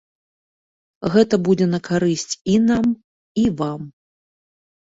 Гэта будзе на карысць і нам, і вам.